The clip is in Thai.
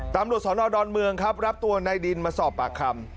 ตำรวจสอนอดอนเมืองครับรับตัวในดินมาสอบปากคำ